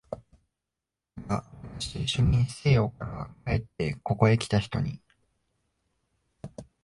また、私といっしょに西洋から帰ってここへきた人に